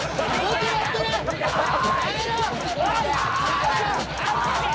やめろ！